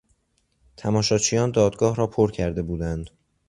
تماشاچیان دادگاه را پر کرده بودند.